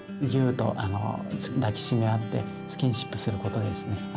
ギューッと抱き締め合ってスキンシップすることでですね